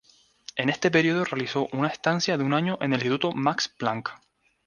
En este período realizó una estancia de un año en el Instituto Max Planck.